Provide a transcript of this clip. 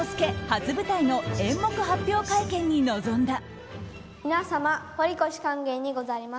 初舞台の演目発表会見に臨んだ。